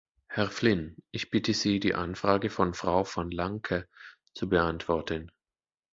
Herr Flynn, ich bitte Sie, die Anfrage von Frau Van Lancker zu beantworten.